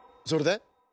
それで？